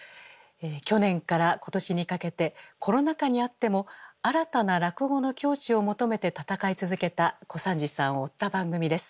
去年から今年にかけてコロナ禍にあっても新たな落語の境地を求めて闘い続けた小三治さんを追った番組です。